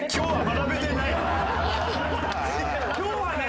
今日はね